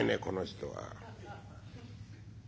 この人は」。